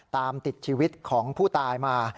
ตามติดชีวิตของผู้ตายมา